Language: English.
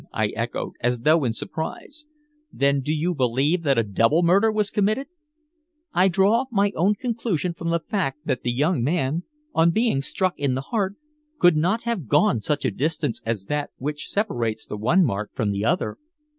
I echoed, as though in surprise. "Then do you believe that a double murder was committed?" "I draw my conclusion from the fact that the young man, on being struck in the heart, could not have gone such a distance as that which separates the one mark from the other."